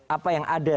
apa yang ada